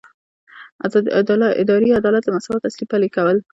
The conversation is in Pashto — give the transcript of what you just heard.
اداري عدالت د مساوات اصل پلي کوي.